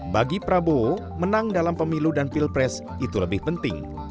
bagi prabowo menang dalam pemilu dan pilpres itu lebih penting